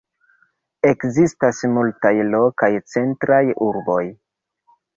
Ekzistas multaj lokaj centraj urboj.